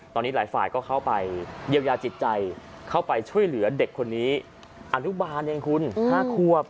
ตอนนี้หลายฝ่ายก็เข้าไปเยียวยาจิตใจเข้าไปช่วยเหลือเด็กคนนี้อนุบาลเองคุณ๕ควบ